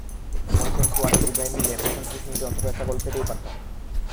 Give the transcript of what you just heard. Morrison, Suarez, Ibrahim মিলে প্রথম ত্রিশ মিনিটে অন্তত একটা গোল পেতেই পারতেন।